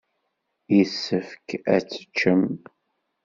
Yessefk ad teččem.